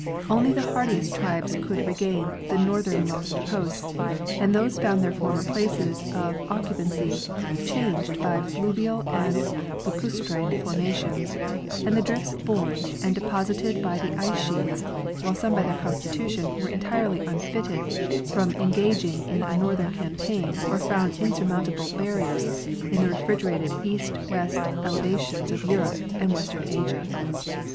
Only the hardiest tribes could regain the northernmost posts, and these found their former places of occupancy changed by fluvial and lacustrine formations and the drifts borne and depos ited by the 1 ice sheets, while some by their constitution were en tirely unfitted from engaging in a northern campaign or found insurmountable barriers in the refrigerated east west elevations of Europe and western Asia.